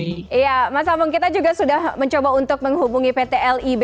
iya mas amung kita juga sudah mencoba untuk menghubungi pt lib